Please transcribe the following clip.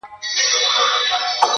چي په ژوند یې ارمان وخېژي نو مړه سي!.